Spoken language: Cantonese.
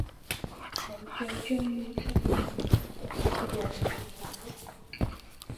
佢最鍾意黑面，黑過墨斗